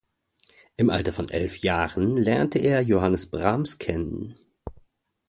Im Alter von elf Jahren lernte er Johannes Brahms kennen.